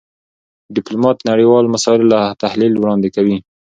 ډيپلومات د نړېوالو مسایلو تحلیل وړاندې کوي.